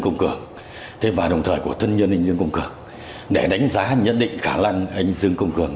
công an huyện gia lộc